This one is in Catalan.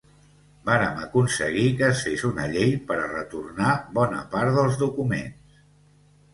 Vàrem aconseguir que es fes una llei per a retornar bona part dels documents.